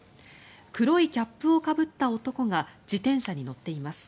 黒いキャップをかぶった男が自転車に乗っています。